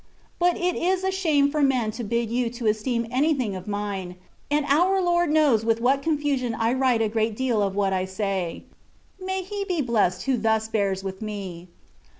But it is a shame for men to bid you to esteem anything of mine, and our Lord knows with what confusion I write a great deal of what I say. May He be blessed who thus bears with me.